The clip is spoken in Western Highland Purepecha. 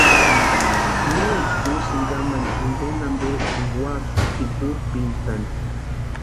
¿Necha úsïni kamani inteni ampe enka úaka pʼikurhpintani?